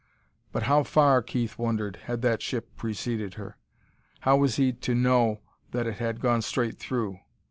But how far, Keith wondered, had that ship preceded her? How was he to know that it had gone straight through?